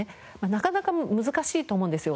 なかなか難しいと思うんですよ。